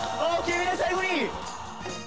みんな最後に！